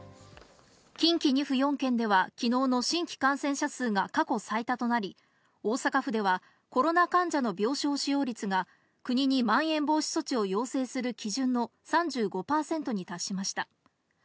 近畿２府４県では昨日の新規感染者数が過去最多となり、大阪府ではコロナ患者の病床使用率が国にまん延防止措置を要請する基準の３５％に達しました。